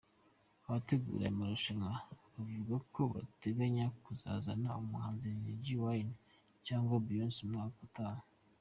Abategura aya marushanwa, bavuga ko bateganya kuzazana umuhanzi Lil Wayne cyangwa Beyonce umwaka utaha.